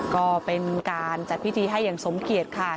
ก็เป็นการจัดพิธีให้อย่างสมเกียจค่ะ